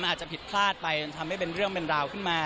อาจจะผิดพลาดไปจนทำให้เป็นเรื่องเป็นราวขึ้นมา